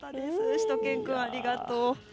しゅと犬くん、ありがとう。